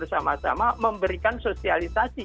sama sama memberikan sosialisasi